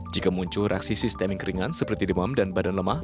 jika muncul reaksi sistemik ringan seperti demam dan badan lemah